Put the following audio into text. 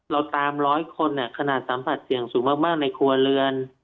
เราตามร้อยคนขนาดสัมผัสเสี่ยงสูงมากในครัวเรือน